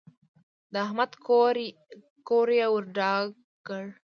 د احمد کور يې ور ډاک کړ.